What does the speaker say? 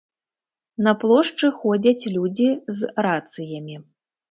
На плошчы ходзяць людзі з рацыямі.